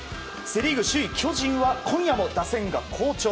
セ・リーグ首位、巨人は今夜も打線が好調。